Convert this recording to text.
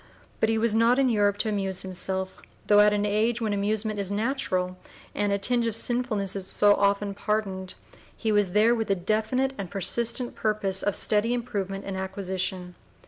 But he was not in Europe to amuse himself, though at an age when amusement is natural and a tinge of sinfulness is so often pardoned; he was there with the definite and persistent purpose of steady improvement and acquisition.